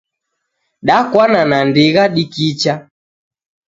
Dakwana na ndigha dikicha